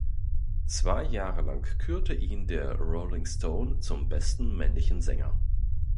Zwei Jahre lang kürte ihn der Rolling Stone zum besten männlichen Sänger.